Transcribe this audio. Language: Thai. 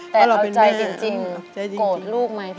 แต่เอาใจจริงโกรธลูกไหมพี่อู๋